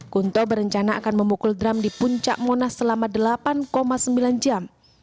kunto berencana akan memukul drum di puncak monas selama delapan sembilan jam